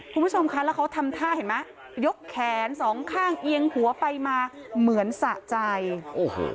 คุณผู้ชมคะแล้วเขาทำท่าเห็นไหมยกแขนสองข้างเอียงหัวไปมาเหมือนสะใจโอ้โห